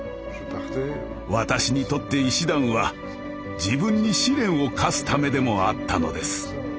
私にとって医師団は自分に試練を課すためでもあったのです。